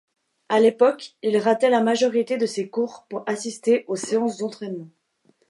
À l’époque, il ratait la majorité de ses cours pour assister aux séances d’entraînement.